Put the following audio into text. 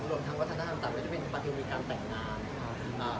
รวมทั้งวัฒนธรรมต่างก็จะเป็นปัจจุมีการแต่งน้ำ